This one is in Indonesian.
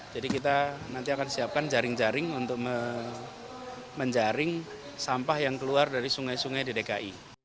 jadi kita nanti akan siapkan jaring jaring untuk menjaring sampah yang keluar dari sungai sungai di dki